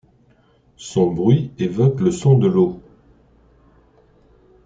Son bruit évoque le son de l'eau.